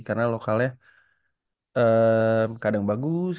karena lokalnya kadang bagus